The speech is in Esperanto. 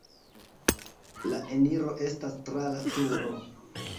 La eniro estas tra la turo.